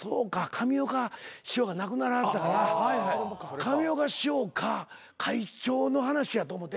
上岡師匠が亡くなられたから上岡師匠か会長の話やと思って。